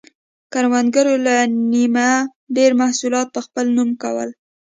کروندګرو له نییمه ډېر محصولات په خپل نوم کول.